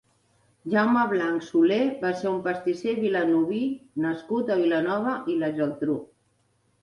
Jaume Blanch Soler va ser un pastisser vilanoví nascut a Vilanova i la Geltrú.